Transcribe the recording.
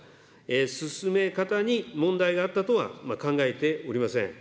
進め方に問題があったとは考えておりません。